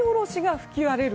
吹き荒れる